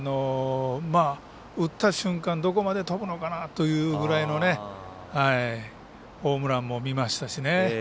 打った瞬間、どこまで飛ぶのかなというぐらいホームランも見ましたしね。